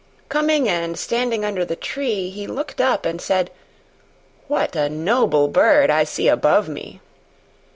Coming and standing under the tree he looked up and said, "What a noble bird I see above me!